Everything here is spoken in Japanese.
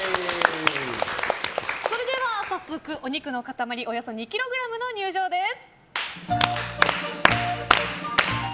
それでは早速、お肉の塊およそ２ｋｇの入場です。